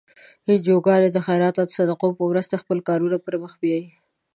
انجوګانې د خیرات او صدقو په مرستو خپل کارونه پر مخ بیایي.